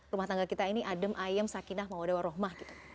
rumah tangga kita ini adem ayem sakinah mawadah warohmah gitu